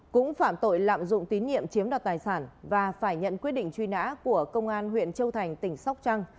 cũng phạm tội lạm dụng tín nhiệm chiếm đoạt tài sản và phải nhận quyết định truy nã của công an huyện châu thành tỉnh sóc trăng